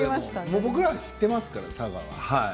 僕らは知っていますから佐賀は。